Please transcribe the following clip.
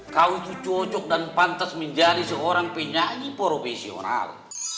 kau itu cocok dan pantas menjadi seorang penyanyi profesional